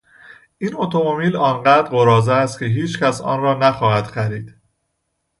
این اتومبیل آنقدر قراضه است که هیچکس آن را نخواهد خرید.